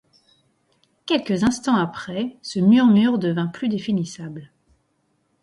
Quelques instants après, ce murmure devint plus définissable.